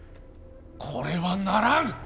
これはならん。